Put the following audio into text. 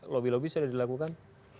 lobby lobby sudah dilakukan